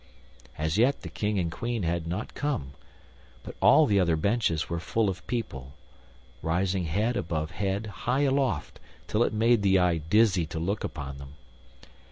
As yet the King and Queen had not come, but all the other benches were full of people, rising head above head high aloft till it made the eye dizzy to look upon them.